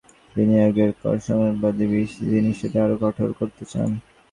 অনেকে আছেন যাঁরা বিদেশি বিনিয়োগেরওপর সংরক্ষণবাদী বিধিনিষেধ আরও কঠোর করতে চান।